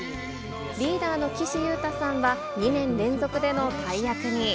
リーダーの岸優太さんは、２年連続での大役に。